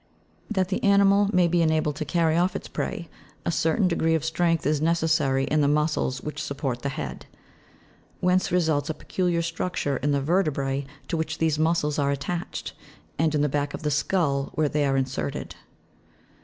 "That the animal may be enabled to carry off its prey, a certain degree of strength is necessary in the muscles which support the head ; whence results a peculiar structure in the vertebrae to which these muscles are at tached, and in the back of the skiill where they are inserted.